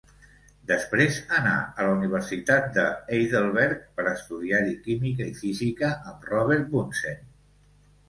Després anà a la Universitat de Heidelberg per estudiar-hi química i física amb Robert Bunsen.